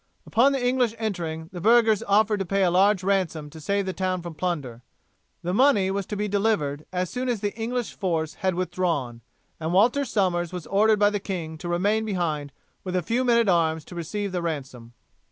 Upon the English entering, the burghers offered to pay a large ransom to save the town from plunder. The money was to be delivered as soon as the English force had withdrawn, and Walter Somers was ordered by the king to remain behind with a few men at arms to receive the ransom.